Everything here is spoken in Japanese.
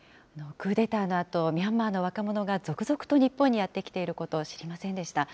クーデターのあと、ミャンマーの若者が続々と日本にやって来ていることを知りませんでした。